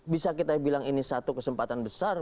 bisa kita bilang ini satu kesempatan besar